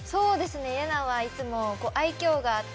イェナはいつも愛きょうがあって。